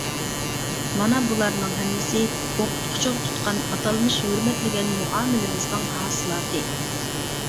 مانا بۇلارنىڭ ھەممىسى ئوقۇتقۇچىغا تۇتقان ئاتالمىش ھۆرمەتلىگەن مۇئامىلىمىزنىڭ ھاسىلاتى.